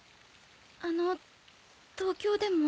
あの東京でも。